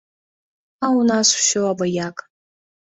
А ў нас усё абы-як.